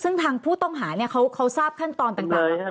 ซึ่งทางผู้ต้องหาเนี่ยเขาทราบขั้นตอนต่าง